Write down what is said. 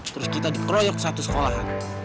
terus kita diproyek satu sekolahan